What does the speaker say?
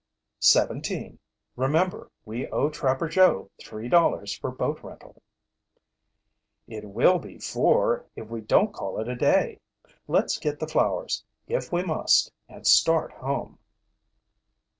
"Seventeen. Remember, we owe Trapper Joe three dollars for boat rental." "It will be four if we don't call it a day. Let's get the flowers, if we must, and start home."